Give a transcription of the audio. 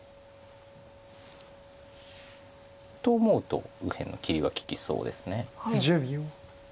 と思うと右辺の切りが利きそうです。